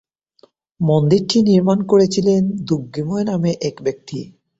মন্দিরটি নির্মাণ করেছিলেন দুগ্গিময় নামে এক ব্যক্তি।